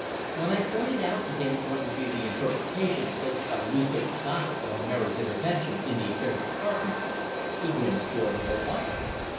When I pointed out to him what would be the interpretation placed by newspaper gossip on Mary's intervention in the affairs of Carpenter, he grinned still more widely.